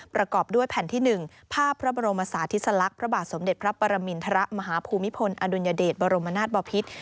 ประกอบด้วยแผ่นที่๑ภาพพระบรมศาสติสลักษณ์พระบาทสมเด็จพระปรมินทรมาฮภูมิพลอดุลยเดชบรมนาศบอพิษ